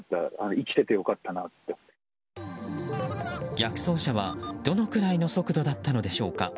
逆走車は、どのくらいの速度だったのでしょうか。